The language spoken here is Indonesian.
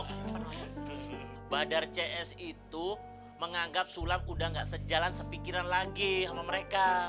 padahal badar cs itu menganggap sulam udah nggak sejalan sepikiran lagi sama mereka